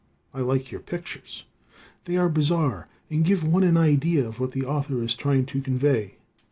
I like your pictures. They are bizarre and give one an idea of what the Author is trying to convey.